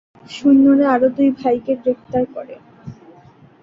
সৈন্যরা আরও দুই ভাইকে গ্রেপ্তার করে।